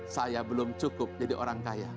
saya belum cukup jadi orang kaya